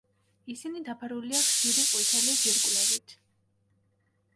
ისინი დაფარულია ხშირი ყვითელი ჯირკვლებით.